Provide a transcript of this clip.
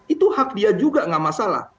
itu hak dia juga nggak masalah